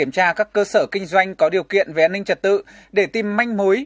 kiểm tra các cơ sở kinh doanh có điều kiện về an ninh trật tự để tìm manh mối